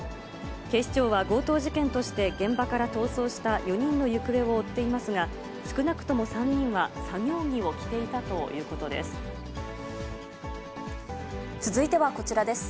警視庁は強盗事件として、現場から逃走した４人の行方を追っていますが、少なくとも３人は続いてはこちらです。